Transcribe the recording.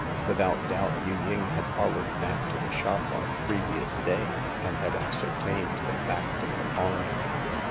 With out doubt, Yu ying had followed Nat to the shop on the previous day, and had ascertained the fact of the pawning.